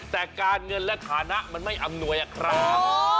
แต่การเงินและฐานะมันไม่อำนวยอะครับ